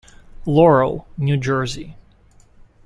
Laurel, New Jersey.